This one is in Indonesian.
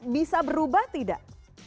bisa berubah tidak